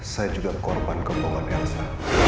saya juga korban kebohongan elsa